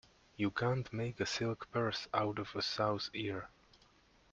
You can't make a silk purse out of a sow's ear.